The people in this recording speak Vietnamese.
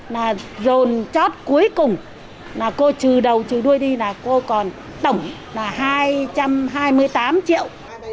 là dồn chót cuối cùng là cô trừ đầu trừ đuôi đi là cô còn tổng là hai trăm hai mươi tám triệu